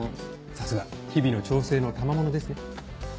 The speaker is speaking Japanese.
さすが日々の調整のたまものですね。